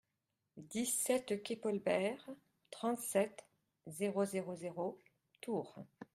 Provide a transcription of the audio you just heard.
dix-sept quai Paul Bert, trente-sept, zéro zéro zéro, Tours